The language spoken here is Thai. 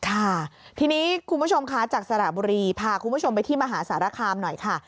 ค่ะทีนี้คุณผู้ชมคะจากสระบุรีพาคุณผู้ชมไปที่มหาสารคามหน่อยค่ะ